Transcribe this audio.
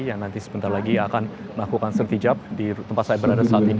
yang nanti sebentar lagi akan melakukan sertijab di tempat saya berada saat ini